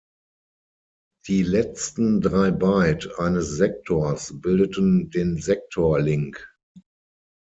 Die letzten drei Byte eines Sektors bildeten den Sektor-Link.